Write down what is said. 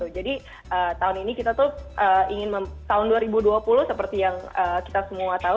jadi tahun ini kita tuh ingin tahun dua ribu dua puluh seperti yang kita semua tahu